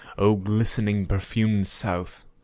O glistening, perfumed South!